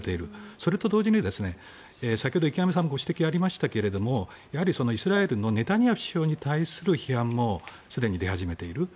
それと同時に先ほど池上さんのご指摘がありましたがイスラエルのネタニヤフ首相に対する批判もすでに出始めている。